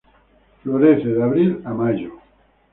Florece de abril a mayo.